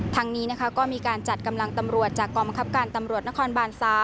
ทางนี้นะคะก็มีการจัดกำลังตำรวจจากกองบังคับการตำรวจนครบาน๓